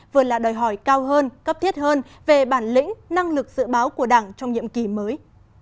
vừa là đòi hỏi cao hơn cấp thiết hơn về bản lĩnh năng lực dự báo của đảng trong nhiệm kỳ mới